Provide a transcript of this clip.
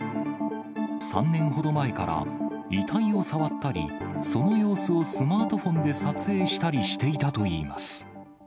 ３年ほど前から遺体を触ったり、その様子をスマートフォンで撮影したりしていたといいます。